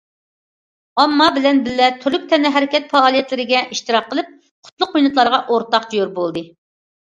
ئامما بىلەن بىللە تۈرلۈك تەنھەرىكەت پائالىيەتلىرىگە ئىشتىراك قىلىپ، قۇتلۇق مىنۇتلارغا ئورتاق جور بولدى.